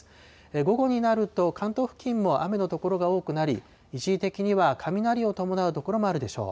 午後になると、関東付近も雨の所が多くなり、一時的には雷を伴う所もあるでしょう。